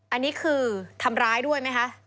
อันนี้คือทำร้ายด้วยไหมคะ